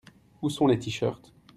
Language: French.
Où sont les tee-shirts ?